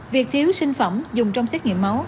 việc thiếu sinh phẩm dùng trong xét nghiệm máu